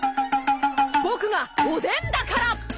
僕がおでんだから！